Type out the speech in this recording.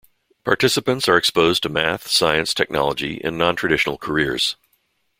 Participants are exposed to math, science, technology, and non-traditional careers.